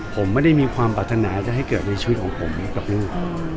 ผมไม่ได้มีความปรารถนาจะให้เกิดในชีวิตของผมกับลูก